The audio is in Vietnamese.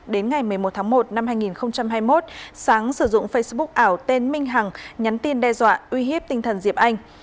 đến ngày một mươi một tháng một năm hai nghìn hai mươi một sáng sử dụng facebook ảo tên minh hằng nhắn tin đe dọa uy hiếp tinh thần diệp anh